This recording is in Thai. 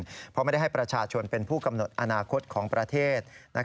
เพราะไม่ได้ให้ประชาชนเป็นผู้กำหนดอนาคตของประเทศ